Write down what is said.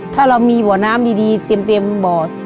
ถ้าเรามีบ่อน้ำดีเตรียมบ่อ